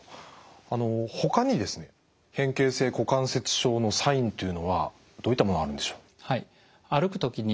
あのほかにですね変形性股関節症のサインというのはどういったものあるんでしょう？